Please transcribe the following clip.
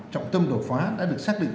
trọng tâm đột phá đã được xác định